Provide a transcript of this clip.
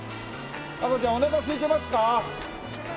アコちゃんおなかすいてますか？